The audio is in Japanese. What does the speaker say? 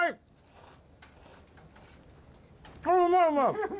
うまいうまい。